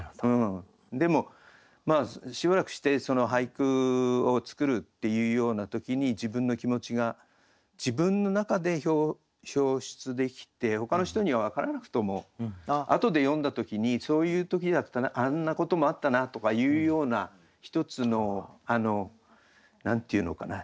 でもしばらくして俳句を作るっていうような時に自分の気持ちが自分の中で表出できてほかの人には分からなくともあとで読んだ時にそういう時だったなあんなこともあったなとかいうような１つの何て言うのかな人生のしおりみたいな。